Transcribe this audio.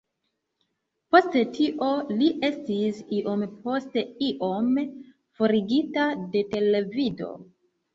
Post tio, li estis iom post iom forigita de televido.